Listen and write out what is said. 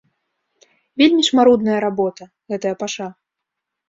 Вельмі ж марудная работа, гэтая паша.